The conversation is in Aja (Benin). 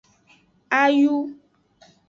Ayu.